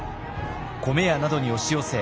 米屋などに押し寄せ